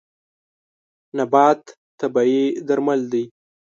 نبات طبیعي درمل دی.